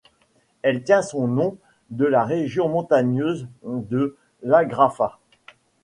Elle tient son nom de la région montagneuse de l'Agrafa.